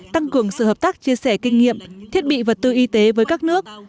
tăng cường sự hợp tác chia sẻ kinh nghiệm thiết bị vật tư y tế với các nước